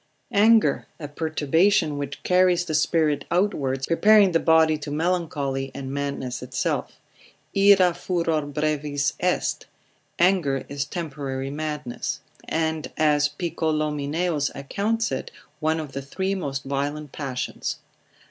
Anger, a perturbation, which carries the spirits outwards, preparing the body to melancholy, and madness itself: Ira furor brevis est, anger is temporary madness; and as Picolomineus accounts it, one of the three most violent passions.